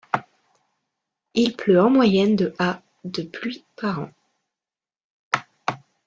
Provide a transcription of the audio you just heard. Il pleut en moyenne de à de pluie par an.